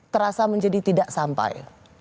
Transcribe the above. terasa menjadi tidak sampai